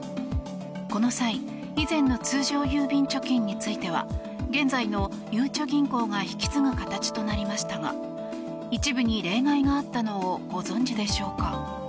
この際以前の通常郵便貯金については現在のゆうちょ銀行が引き継ぐ形となりましたが一部に例外があったのをご存じでしょうか。